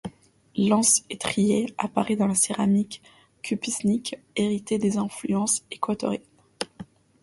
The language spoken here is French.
L’anse-étrier apparaît dans la céramique cupisnique, héritée des influences équatoriennes.